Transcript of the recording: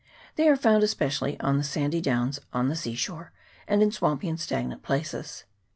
They are found especially on the sandy downs on the sea shore, and in swampy and stagnant places.